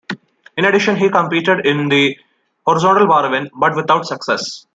In addition, he competed in the horizontal bar event, but without success.